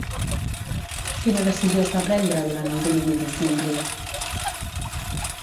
Quina decisió es va prendre durant el domini de Cynric?